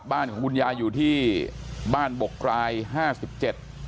บ้านของคุณยายอยู่ที่บ้านบกกรายห้าสิบเจ็ด